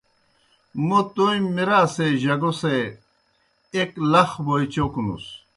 موْ تومیْ مِراثے جگو سے ایْک لخ بوئے چوکوْنُس۔